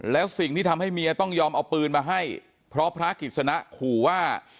แล้วสิ่งที่ทำให้เมียต้องยอมเอาปืนมาให้เพราะพระกิจสนะขู่ว่า